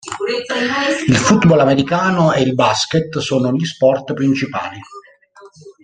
Il football americano e il basket sono gli sport principali.